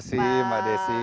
terima kasih mbak desi